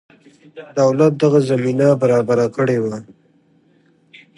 دولت دغه زمینه برابره کړې ده.